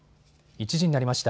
１時になりました。